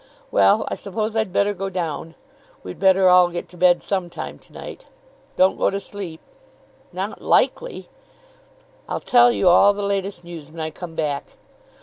Well, I suppose I'd better go down. We'd better all get to bed some time to night. Don't go to sleep." "Not likely." "I'll tell you all the latest news when I come back.